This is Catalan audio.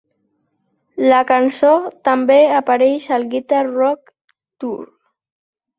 La cançó també apareix al Guitar Rock Tour.